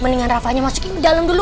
mendingan rafanya masukin di dalam dulu